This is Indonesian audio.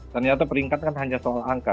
ternyata peringkat kan hanya soal angka